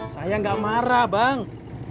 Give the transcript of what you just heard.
saya gak marah bang